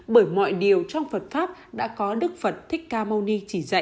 bởi mọi điều trong phật pháp đã có đức phật thích ca mâu ni